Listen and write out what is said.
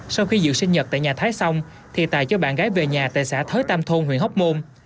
sau khi dự sinh nhật tại nhà thái xong thì tài cho bạn gái về nhà tại xã thới tam thôn huyện hóc môn